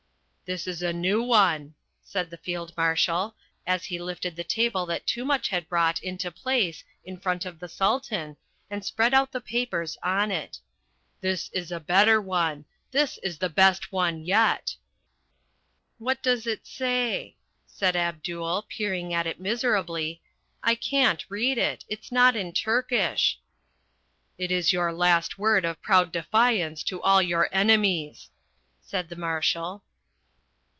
"This is a new one," said the Field Marshal, as he lifted the table that Toomuch had brought into place in front of the Sultan, and spread out the papers on it. "This is a better one. This is the best one yet." "What does it say?" said Abdul, peering at it miserably, "I can't read it. It's not in Turkish." "It is your last word of proud defiance to all your enemies," said the Marshal.